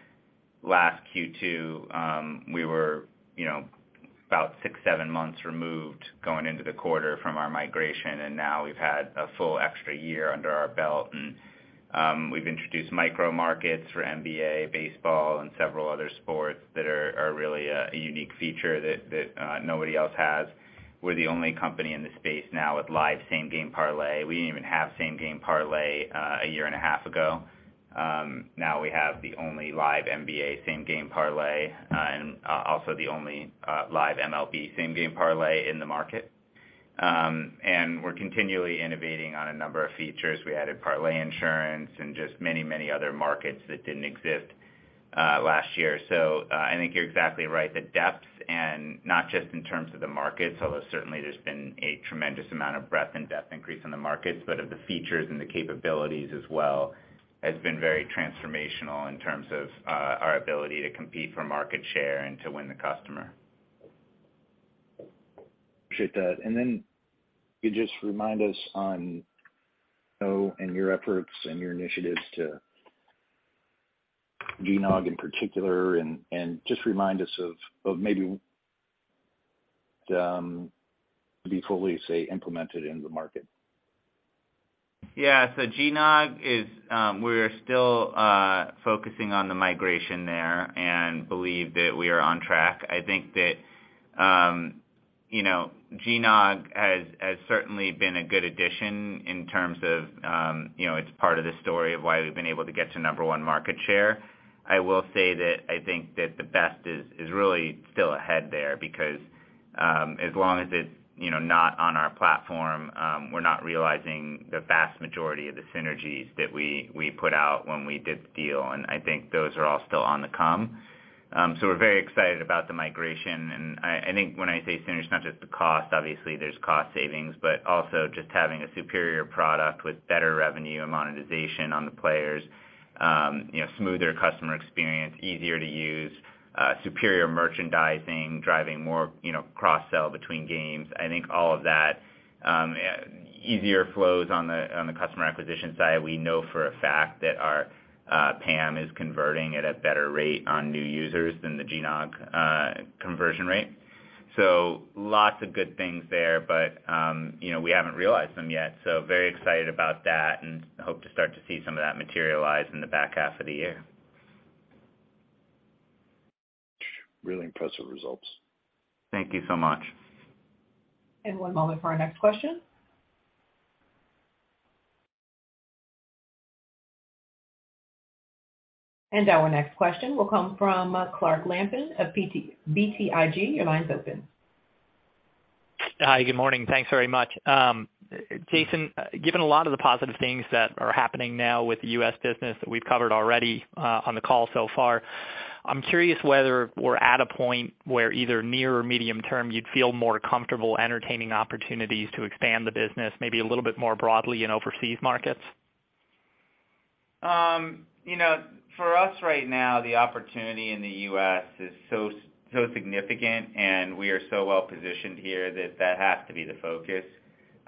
last Q2, we were, you know, about six, seven months removed going into the quarter from our migration, and now we've had a full extra year under our belt. We've introduced micro markets for NBA, baseball, and several other sports that are really a unique feature that nobody else has. We're the only company in the space now with live Same Game Parlay. We didn't even have Same Game Parlay a year and a half ago. Now we have the only live NBA Same Game Parlay and also the only live MLB Same Game Parlay in the market. We're continually innovating on a number of features. We added parlay insurance and just many, many other markets that didn't exist last year. I think you're exactly right. The depth and not just in terms of the markets, although certainly there's been a tremendous amount of breadth and depth increase in the markets, but of the features and the capabilities as well, has been very transformational in terms of our ability to compete for market share and to win the customer. Appreciate that. Then can you just remind us on O and your efforts and your initiatives to GNOG in particular, and just remind us of maybe the be fully, say, implemented in the market? Yeah. GNOG is, we're still focusing on the migration there and believe that we are on track. I think that, you know, GNOG has certainly been a good addition in terms of, you know, it's part of the story of why we've been able to get to number one market share. I will say that I think that the best is really still ahead there because, as long as it's, you know, not on our platform, we're not realizing the vast majority of the synergies that we put out when we did the deal, and I think those are all still on the come. We're very excited about the migration, and I think when I say synergy, it's not just the cost. Obviously, there's cost savings, also just having a superior product with better revenue and monetization on the players. You know, smoother customer experience, easier to use, superior merchandising, driving more, you know, cross-sell between games. I think all of that, easier flows on the customer acquisition side. We know for a fact that our PAM is converting at a better rate on new users than the GNOG conversion rate. Lots of good things there. We haven't realized them yet. Very excited about that and hope to start to see some of that materialize in the back half of the year. Really impressive results. Thank you so much. One moment for our next question. Our next question will come from Clark Lampen of BTIG. Your line's open. Hi. Good morning. Thanks very much. Jason, given a lot of the positive things that are happening now with the U.S. business that we've covered already on the call so far, I'm curious whether we're at a point where either near or medium term you'd feel more comfortable entertaining opportunities to expand the business maybe a little bit more broadly in overseas markets? You know, for us right now, the opportunity in the U.S. is so significant, and we are so well positioned here that that has to be the focus.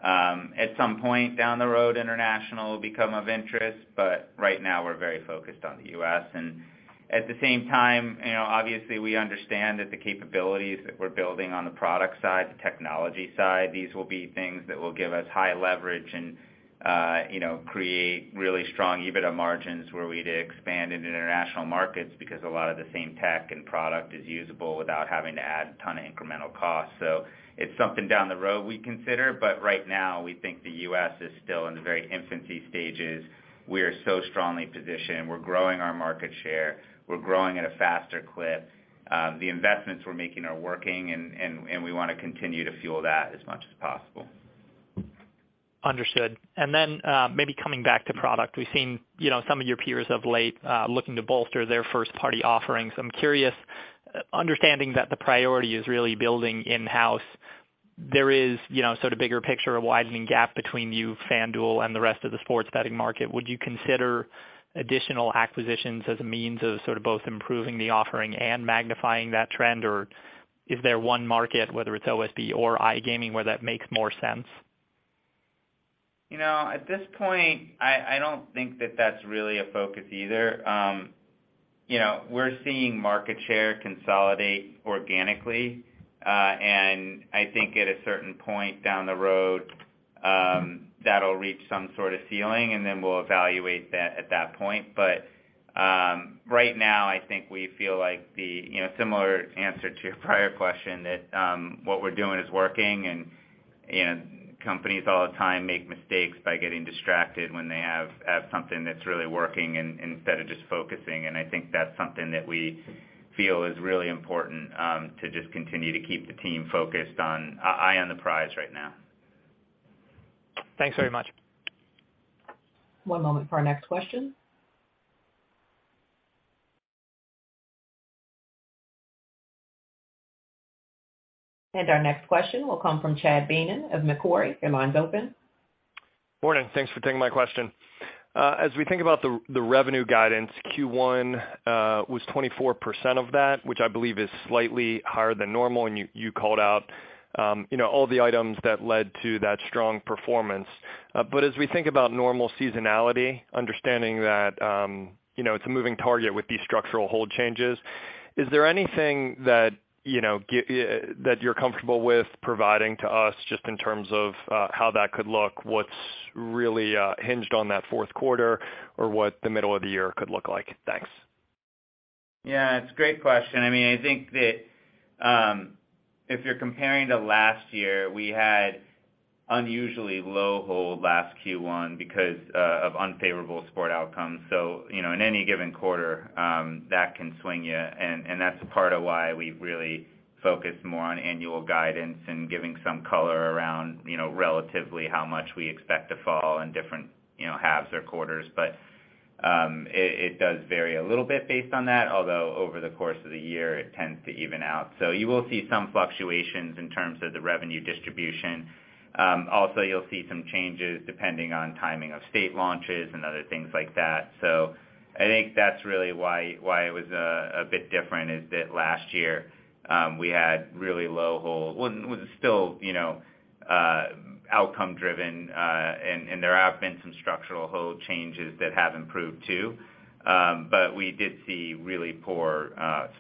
At some point down the road, international will become of interest, but right now we're very focused on the U.S. At the same time, you know, obviously we understand that the capabilities that we're building on the product side, the technology side, these will be things that will give us high leverage and, you know, create really strong EBITDA margins were we to expand into international markets because a lot of the same tech and product is usable without having to add a ton of incremental cost. It's something down the road we'd consider, but right now, we think the U.S. is still in the very infancy stages. We are so strongly positioned. We're growing our market share. We're growing at a faster clip. The investments we're making are working and we wanna continue to fuel that as much as possible. Understood. Then, maybe coming back to product, we've seen, you know, some of your peers of late, looking to bolster their first party offerings. I'm curious, understanding that the priority is really building in-house, there is, you know, sort of bigger picture, a widening gap between you, FanDuel, and the rest of the sports betting market. Would you consider additional acquisitions as a means of sort of both improving the offering and magnifying that trend? Or is there one market, whether it's OSB or iGaming, where that makes more sense? You know, at this point, I don't think that that's really a focus either. You know, we're seeing market share consolidate organically, and I think at a certain point down the road, that'll reach some sort of ceiling, and then we'll evaluate that at that point. Right now, I think we feel like the, you know, similar answer to your prior question that, what we're doing is working. Companies all the time make mistakes by getting distracted when they have something that's really working instead of just focusing, and I think that's something that we feel is really important, to just continue to keep the team focused on the prize right now. Thanks very much. One moment for our next question. Our next question will come from Chad Beynon of Macquarie. Your line's open. Morning. Thanks for taking my question. As we think about the revenue guidance, Q1 was 24% of that, which I believe is slightly higher than normal, and you called out, you know, all the items that led to that strong performance. As we think about normal seasonality, understanding that, you know, it's a moving target with these structural hold changes, is there anything that, you know, that you're comfortable with providing to us just in terms of how that could look? What's really hinged on that fourth quarter or what the middle of the year could look like? Thanks. Yeah, it's a great question. I mean, I think that, if you're comparing to last year, we had unusually low hold last Q1 because of unfavorable sport outcomes. You know, in any given quarter, that can swing you. That's part of why we really focus more on annual guidance and giving some color around, you know, relatively how much we expect to fall in different, you know, halves or quarters. It does vary a little bit based on that, although over the course of the year, it tends to even out. You will see some fluctuations in terms of the revenue distribution. Also, you'll see some changes depending on timing of state launches and other things like that. I think that's really why it was a bit different, is that last year, we had really low hold. Well, it was still, you know, outcome driven, and there have been some structural hold changes that have improved too. We did see really poor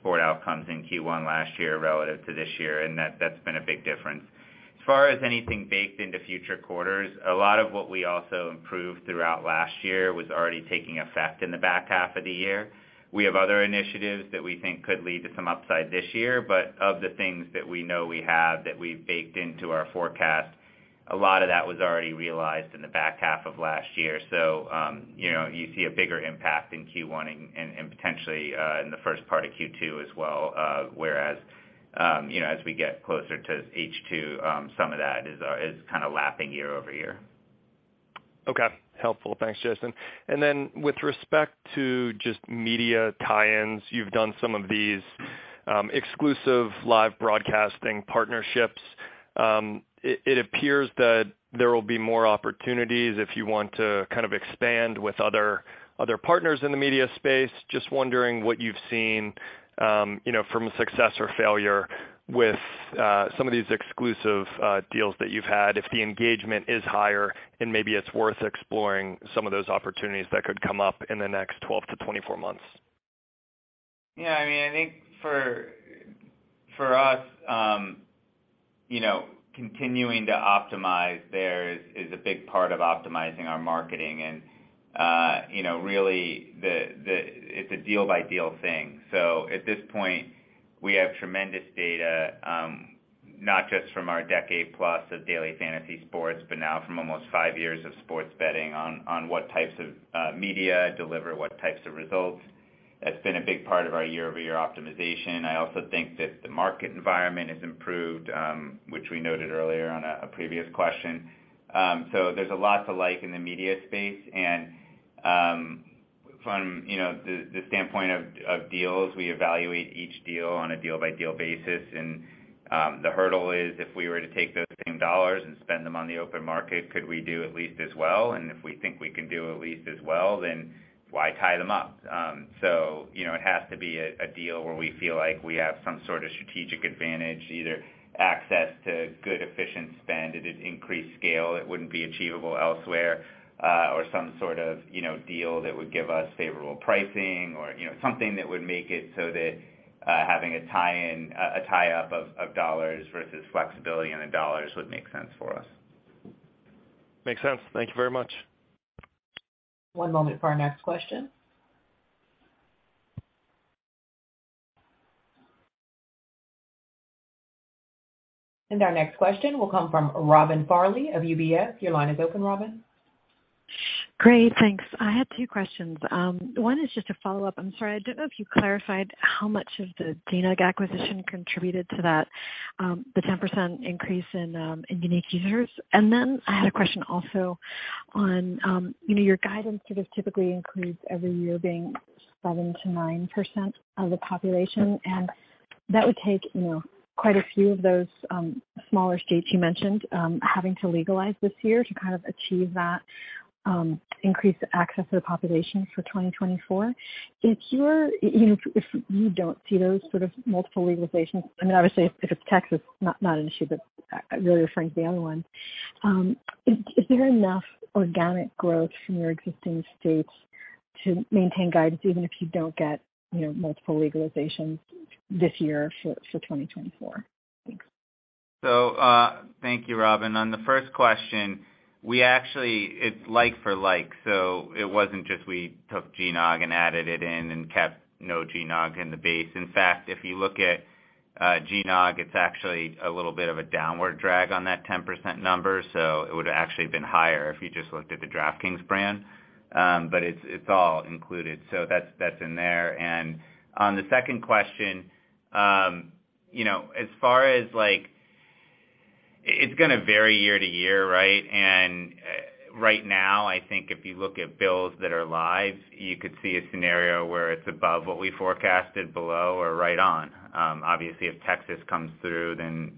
sport outcomes in Q1 last year relative to this year, and that's been a big difference. As far as anything baked into future quarters, a lot of what we also improved throughout last year was already taking effect in the back half of the year. We have other initiatives that we think could lead to some upside this year, but of the things that we know we have that we've baked into our forecast, a lot of that was already realized in the back half of last year. You know, you see a bigger impact in Q1 and potentially, in the first part of Q2 as well. Whereas, you know, as we get closer to H2, some of that is kind of lapping year-over-year. Okay. Helpful. Thanks, Jason. With respect to just media tie-ins, you've done some of these exclusive live broadcasting partnerships. It appears that there will be more opportunities if you want to kind of expand with other partners in the media space. Just wondering what you've seen, you know, from success or failure with some of these exclusive deals that you've had, if the engagement is higher and maybe it's worth exploring some of those opportunities that could come up in the next 12-24 months. Yeah, I mean, I think for us, you know, continuing to optimize there is a big part of optimizing our marketing. You know, really it's a deal by deal thing. At this point, we have tremendous data, not just from our decade plus of daily fantasy sports, but now from almost five years of sports betting on what types of media deliver what types of results. That's been a big part of our year-over-year optimization. I also think that the market environment has improved, which we noted earlier on a previous question. There's a lot to like in the media space. From, you know, the standpoint of deals, we evaluate each deal on a deal-by-deal basis. The hurdle is if we were to take those same dollars and spend them on the open market, could we do at least as well? If we think we can do at least as well, then why tie them up? you know, it has to be a deal where we feel like we have some sort of strategic advantage, either access to good efficient spend at an increased scale that wouldn't be achievable elsewhere, or some sort of, you know, deal that would give us favorable pricing or, you know, something that would make it so that, having a tie-in, a tie-up of dollars versus flexibility into dollars would make sense for us. Makes sense. Thank you very much. One moment for our next question. Our next question will come from Robin Farley of UBS. Your line is open, Robin. Great. Thanks. I had two questions. One is just a follow-up. I'm sorry, I don't know if you clarified how much of the GNOG acquisition contributed to that, the 10% increase in unique users. Then I had a question also on, you know, your guidance sort of typically includes every year being 7%-9% of the population. That would take, you know, quite a few of those, smaller states you mentioned, having to legalize this year to kind of achieve that, increased access to the population for 2024. If you're, you know, if you don't see those sort of multiple legalizations, I mean, obviously if it's Texas, not an issue, but, I really referring to the other ones, is there enough organic growth from your existing states to maintain guidance even if you don't get, you know, multiple legalizations this year for 2024? Thanks. Thank you, Robin. On the first question. We actually, it's like for like. It wasn't just we took GNOG and added it in and kept no GNOG in the base. In fact, if you look at GNOG, it's actually a little bit of a downward drag on that 10% number. It would have actually been higher if you just looked at the DraftKings brand. It's, it's all included. That's, that's in there. On the second question, you know, as far as like it's gonna vary year to year, right? Right now, I think if you look at bills that are live, you could see a scenario where it's above what we forecasted below or right on. Obviously, if Texas comes through,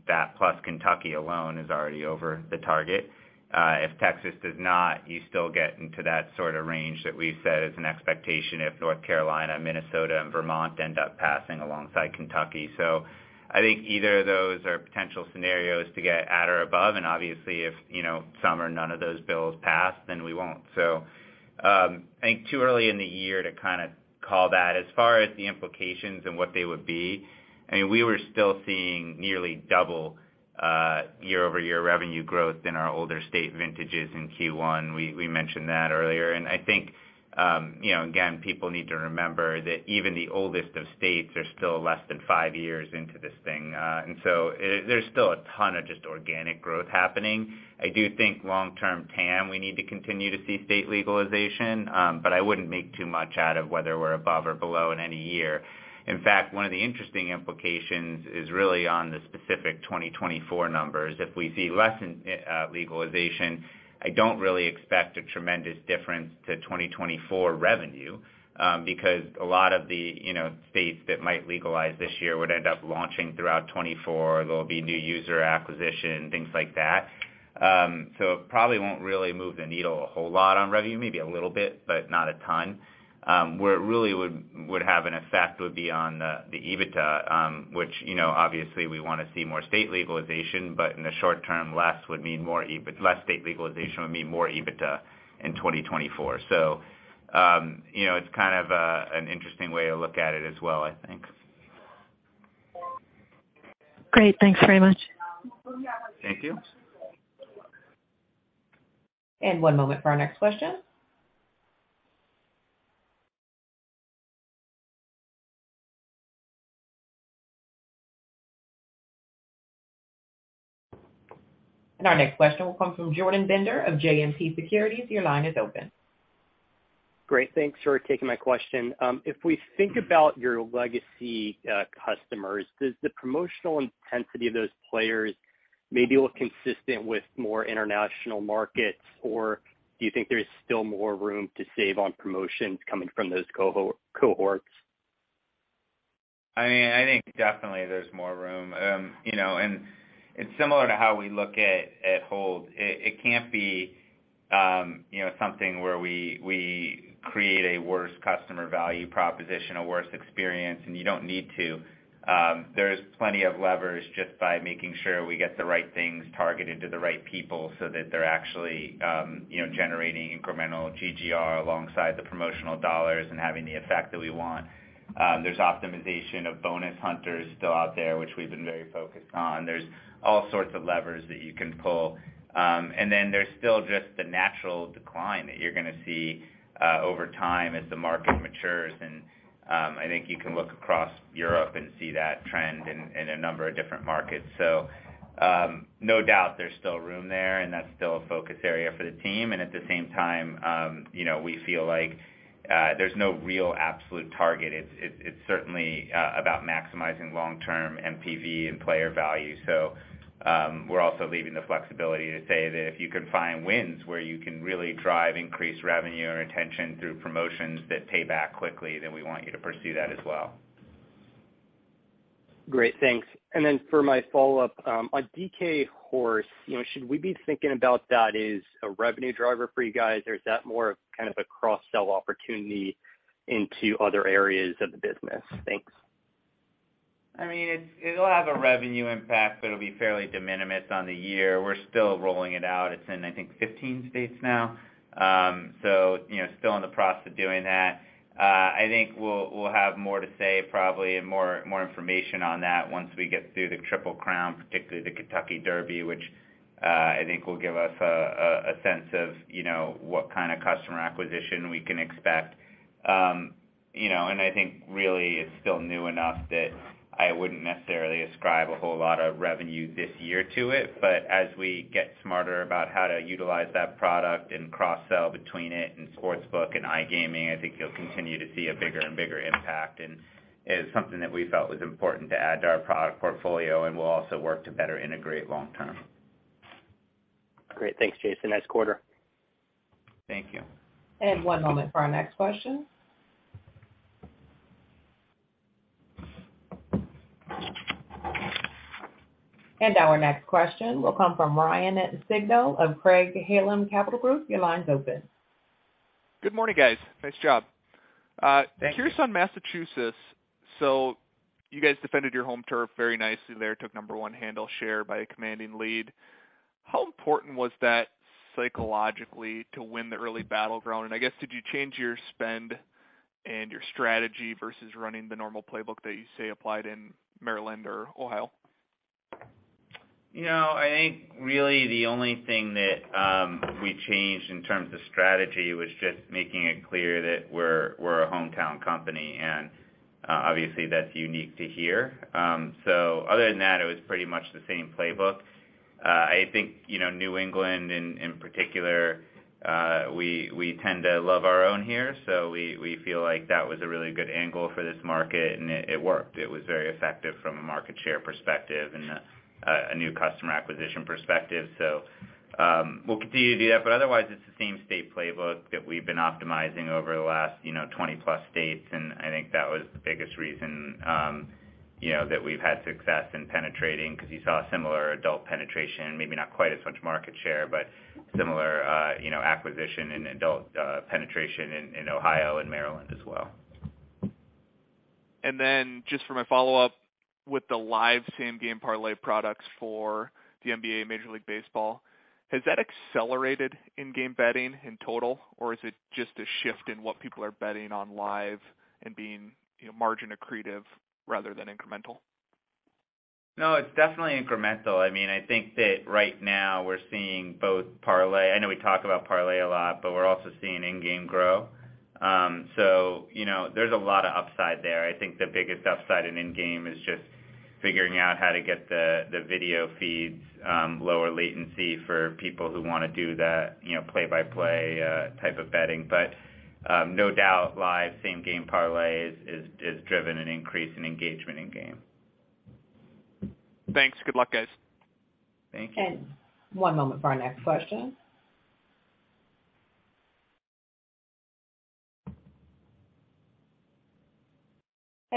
that plus Kentucky alone is already over the target. If Texas does not, you still get into that sort of range that we've said is an expectation if North Carolina, Minnesota, and Vermont end up passing alongside Kentucky. I think either of those are potential scenarios to get at or above. Obviously, if, you know, some or none of those bills pass, then we won't. I think too early in the year to kind of call that as far as the implications and what they would be, I mean, we were still seeing nearly double year-over-year revenue growth in our older state vintages in Q1. We mentioned that earlier. I think, you know, again, people need to remember that even the oldest of states are still less than five years into this thing. There's still a ton of just organic growth happening. I do think long-term TAM, we need to continue to see state legalization. I wouldn't make too much out of whether we're above or below in any year. In fact, one of the interesting implications is really on the specific 2024 numbers. If we see less legalization, I don't really expect a tremendous difference to 2024 revenue, because a lot of the, you know, states that might legalize this year would end up launching throughout 2024. There'll be new user acquisition, things like that. So it probably won't really move the needle a whole lot on revenue, maybe a little bit, but not a ton. where it really would have an effect would be on the EBITDA, which, you know, obviously we wanna see more state legalization, but in the short term, less would mean more. Less state legalization would mean more EBITDA in 2024. You know, it's kind of an interesting way to look at it as well, I think. Great. Thanks very much. Thank you. One moment for our next question. Our next question will come from Jordan Bender of JMP Securities. Your line is open. Great. Thanks for taking my question. If we think about your legacy customers, does the promotional intensity of those players maybe look consistent with more international markets, or do you think there's still more room to save on promotions coming from those cohorts? I mean, I think definitely there's more room. It's similar to how we look at Hold. It, it can't be, you know, something where we create a worse customer value proposition, a worse experience, and you don't need to. There's plenty of levers just by making sure we get the right things targeted to the right people so that they're actually, you know, generating incremental GGR alongside the promotional dollars and having the effect that we want. There's optimization of bonus hunters still out there, which we've been very focused on. There's all sorts of levers that you can pull. Then there's still just the natural decline that you're gonna see over time as the market matures. I think you can look across Europe and see that trend in a number of different markets. No doubt there's still room there, and that's still a focus area for the team. At the same time, you know, we feel like there's no real absolute target. It's certainly about maximizing long-term NPV and player value. We're also leaving the flexibility to say that if you can find wins where you can really drive increased revenue or retention through promotions that pay back quickly, then we want you to pursue that as well. Great. Thanks. For my follow-up, on DK Horse, you know, should we be thinking about that as a revenue driver for you guys, or is that more of kind of a cross-sell opportunity into other areas of the business? Thanks. I mean, it'll have a revenue impact, but it'll be fairly de minimis on the year. We're still rolling it out. It's in, I think, 15 states now. You know, still in the process of doing that. I think we'll have more to say probably and more, more information on that once we get through the Triple Crown, particularly the Kentucky Derby, which, I think will give us a sense of, you know, what kind of customer acquisition we can expect. You know, and I think really it's still new enough that I wouldn't necessarily ascribe a whole lot of revenue this year to it. As we get smarter about how to utilize that product and cross-sell between it and Sportsbook and iGaming, I think you'll continue to see a bigger and bigger impact. It's something that we felt was important to add to our product portfolio and we'll also work to better integrate long term. Great. Thanks, Jason. Nice quarter. Thank you. One moment for our next question. Our next question will come from Ryan Sigdahl of Craig-Hallum Capital Group. Your line's open. Good morning, guys. Nice job. Thank you. Curious on Massachusetts? You guys defended your home turf very nicely there, took number one handle share by a commanding lead. How important was that psychologically to win the early battleground? I guess, did you change your spend and your strategy versus running the normal playbook that you say applied in Maryland or Ohio? You know, I think really the only thing that, we changed in terms of strategy was just making it clear that we're a hometown company, and obviously, that's unique to here. Other than that, it was pretty much the same playbook. I think, you know, New England in particular, we tend to love our own here, so we feel like that was a really good angle for this market and it worked. It was very effective from a market share perspective and a new customer acquisition perspective. we'll continue to do that, but otherwise it's the same state playbook that we've been optimizing over the last, you know, 20+ states, and I think that was the biggest reason, you know, that we've had success in penetrating because you saw similar adult penetration, maybe not quite as much market share, but similar, you know, acquisition and adult penetration in Ohio and Maryland as well. Just for my follow-up, with the live Same Game Parlay products for the NBA Major League Baseball, has that accelerated in-game betting in total, or is it just a shift in what people are betting on live and being, you know, margin accretive rather than incremental? It's definitely incremental. I mean, I think that right now we're seeing both parlay. I know we talk about parlay a lot, but we're also seeing in-game grow. You know, there's a lot of upside there. I think the biggest upside in in-game is just figuring out how to get the video feeds, lower latency for people who wanna do the, you know, play-by-play type of betting. No doubt, live Same Game Parlay has driven an increase in engagement in-game. Thanks. Good luck, guys. Thank you. One moment for our next question.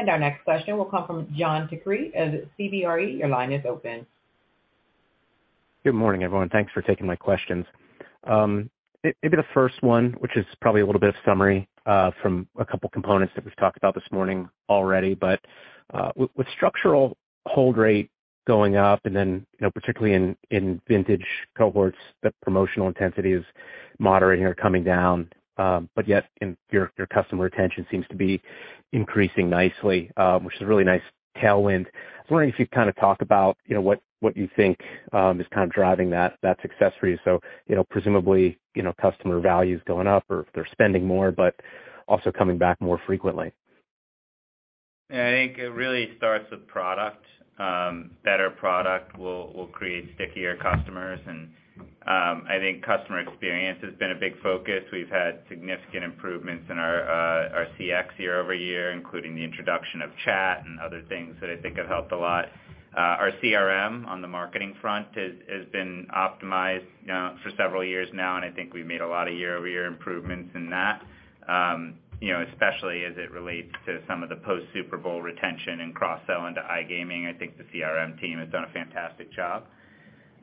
Our next question will come from John DeCree at CBRE. Your line is open. Good morning, everyone. Thanks for taking my questions. Maybe the first one, which is probably a little bit of summary from a couple components that we've talked about this morning already, but with structural hold rate going up and then, you know, particularly in vintage cohorts, the promotional intensity is moderating or coming down, but yet your customer retention seems to be increasing nicely, which is a really nice tailwind. I was wondering if you kind of talk about, you know, what you think is kind of driving that success for you? Presumably, you know, customer value is going up or if they're spending more, but also coming back more frequently. I think it really starts with product. Better product will create stickier customers. I think customer experience has been a big focus. We've had significant improvements in our CX year-over-year, including the introduction of chat and other things that I think have helped a lot. Our CRM on the marketing front has been optimized, you know, for several years now, and I think we've made a lot of year-over-year improvements in that, you know, especially as it relates to some of the post-Super Bowl retention and cross-sell into iGaming. I think the CRM team has done a fantastic job.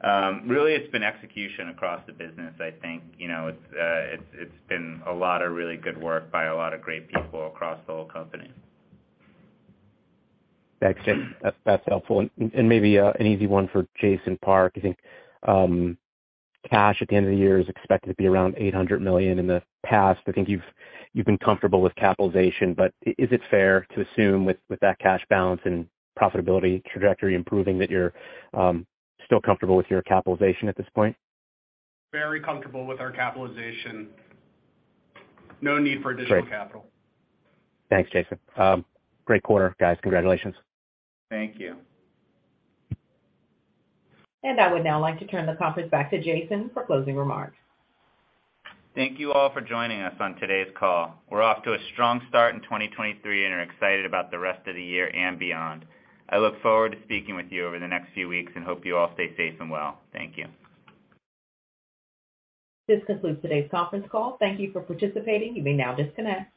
Really, it's been execution across the business. I think, you know, it's been a lot of really good work by a lot of great people across the whole company. Thanks. That's helpful. Maybe an easy one for Jason Park. I think cash at the end of the year is expected to be around $800 million. In the past, I think you've been comfortable with capitalization. Is it fair to assume with that cash balance and profitability trajectory improving that you're still comfortable with your capitalization at this point? Very comfortable with our capitalization. No need for additional capital. Great. Thanks, Jason. great quarter, guys. Congratulations. Thank you. I would now like to turn the conference back to Jason for closing remarks. Thank you all for joining us on today's call. We're off to a strong start in 2023 and are excited about the rest of the year and beyond. I look forward to speaking with you over the next few weeks and hope you all stay safe and well. Thank you. This concludes today's conference call. Thank you for participating. You may now disconnect.